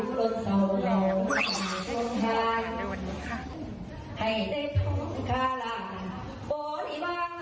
พร้อมกลัวแรงหน่อยครับ